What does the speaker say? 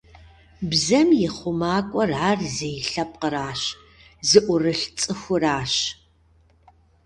Бзэм и хъумакӀуэр ар зей лъэпкъыращ, зыӀурылъ цӀыхуращ.